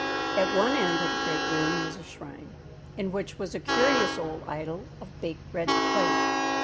At one end of the great room was a shrine, in which was a curious old idol of baked red clay.